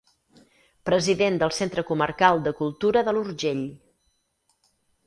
President del Centre Comarcal de Cultura de l'Urgell.